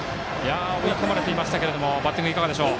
追い込まれていましたけどバッティングいかがでしょう。